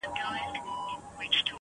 له محفله یې بهر کړم د پیمان استازی راغی-